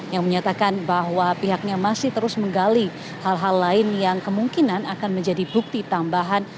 yang menyatakan bahwa pihaknya masih terus menggali hal hal lain yang kemungkinan akan menjadi bukti tambahan